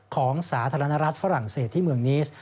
สาธารณรัฐฝรั่งเศสที่เมืองนิส